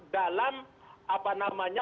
dalam apa namanya